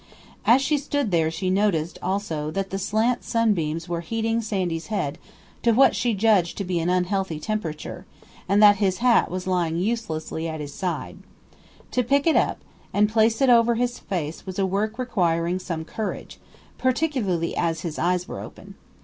As she stood there she noticed, also, that the slant sunbeams were heating Sandy's head to what she judged to be an unhealthy temperature, and that his hat was lying uselessly at his side. To pick it up and to place it over his face was a work requiring some courage, particularly as his eyes were open.